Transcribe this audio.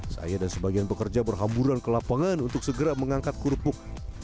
saya dan sebagian pekerja berhamburan ke lapangan untuk segera mengangkat kerupuk